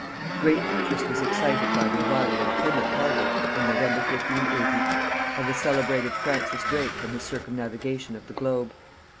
Great interest was excited by the arrival in Plymouth harbour, in November 1580, of the celebrated Francis Drake from his circumnavigation of the globe.